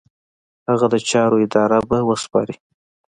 هغه د چارو اداره به وسپاري.